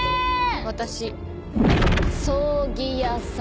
私葬儀屋さん。